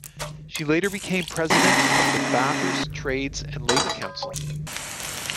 She later became President of the Bathurst Trades and Labor Council.